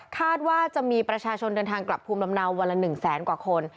คาดว่าจะมีประชาชนเดินทางกลับภูมิลำเนาวันละ๑แสนกว่าคน